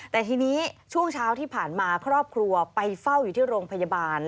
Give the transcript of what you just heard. แต่ทีนี้ช่วงเช้าที่ผ่านมาครอบครัวไปเฝ้าอยู่ที่โรงพยาบาล